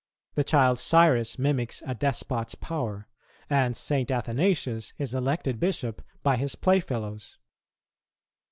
The child Cyrus mimics a despot's power, and St. Athanasius is elected Bishop by his playfellows.